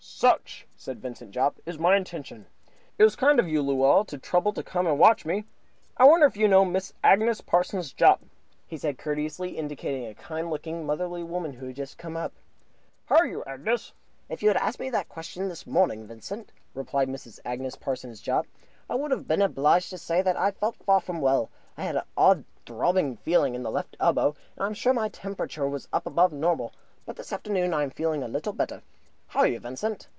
"Such," said Vincent Jopp, "is my intention. It was kind of you, Luella, to trouble to come and watch me. I wonder if you know Mrs. Agnes Parsons Jopp?" he said, courteously, indicating a kind looking, motherly woman who had just come up. "How are you, Agnes?" "If you had asked me that question this morning, Vincent," replied Mrs. Agnes Parsons Jopp, "I should have been obliged to say that I felt far from well. I had an odd throbbing feeling in the left elbow, and I am sure my temperature was above the normal. But this afternoon I am a little better. How are you, Vincent?"